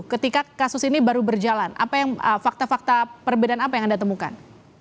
ketika kasus ini baru berjalan apa yang fakta fakta perbedaan apa yang anda temukan